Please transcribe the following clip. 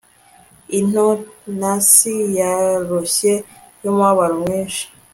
Intonasi yoroshye yumubabaro mwinshi